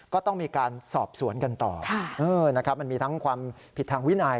ก็ต้องมีการสอบสวนกันต่อนะครับมันมีทั้งความผิดทางวินัย